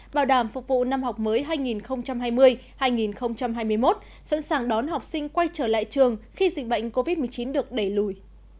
bảo đảm phục vụ năm học mới hai nghìn hai mươi hai nghìn hai mươi một sẵn sàng đón học sinh quay trở lại trường khi dịch bệnh covid một mươi chín được đẩy lùi